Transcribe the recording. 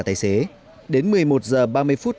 tài xế đến một mươi một h ba mươi phút